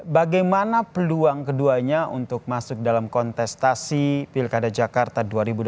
bagaimana peluang keduanya untuk masuk dalam kontestasi pilkada jakarta dua ribu delapan belas